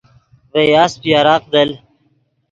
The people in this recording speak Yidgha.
ڤے یاسپ یراق دل